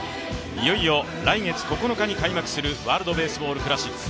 いよいよ来月９日に開幕するワールドベースボールクラシック。